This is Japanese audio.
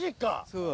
そう。